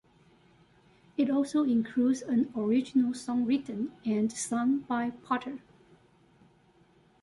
It also includes an original song written and sung by Potter.